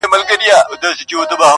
زړه په پیوند دی.